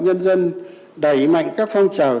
nhân dân đẩy mạnh các phong trào